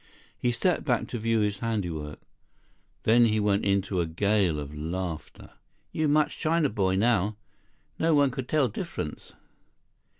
He stepped back to view his handiwork. Then he went into a gale of laughter. "You much China boy now. No one could tell difference."